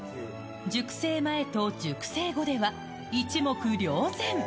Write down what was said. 熟成前と熟成後では、一目瞭然。